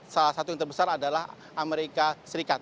salah satu yang terbesar adalah amerika serikat